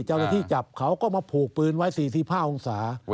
เจ้าหน้าที่จับเขาก็มาผูกปืนไว้๔๕องศา